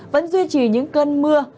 vẫn duy trì những cơn mưa